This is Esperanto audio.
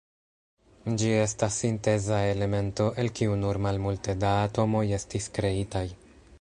Ĝi estas sinteza elemento, el kiu nur malmulte da atomoj estis kreitaj.